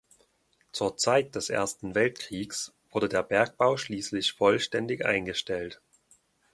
Zur Zeit des Ersten Weltkriegs wurde der Bergbau schließlich vollständig eingestellt.